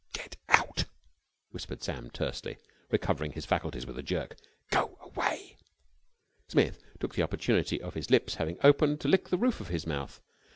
"Get out!" whispered Sam tensely, recovering his faculties with a jerk. "Go away!" Smith took the opportunity of his lips having opened to lick the roof of his mouth.